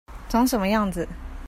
長什麼樣子